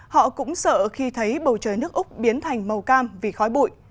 họ cũng sợ khi thấy bầu trời nước úc biến thành màu cam vì khói bụi